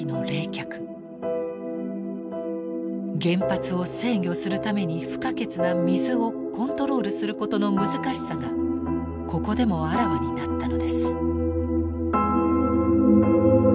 原発を制御するために不可欠な水をコントロールすることの難しさがここでもあらわになったのです。